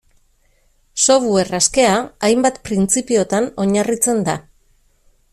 Software askea, hainbat printzipiotan oinarritzen da.